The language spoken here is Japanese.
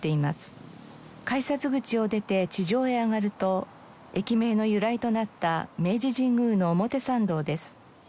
改札口を出て地上へ上がると駅名の由来となった明治神宮の表参道です。